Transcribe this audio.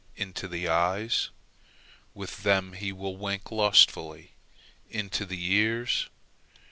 Into the eyes? With them he will wink lustfully. Into the ears?